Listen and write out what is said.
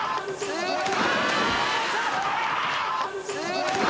すごい。